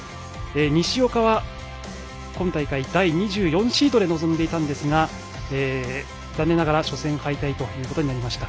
西岡は今大会、第２４シードで臨んでいたんですが残念ながら初戦敗退となりました。